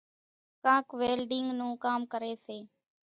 ڪانڪ ويلڍينڳ نون ڪام ڪريَ سي۔